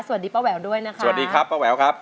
ป้าแหววด้วยนะคะสวัสดีครับป้าแหววครับ